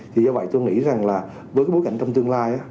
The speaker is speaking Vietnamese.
vì do vậy tôi nghĩ rằng với bối cảnh trong tương lai